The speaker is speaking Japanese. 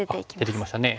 出てきましたね。